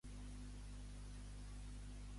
Què va desencadenar Calumnia?